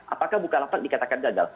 apakah bukalapak dikatakan gagal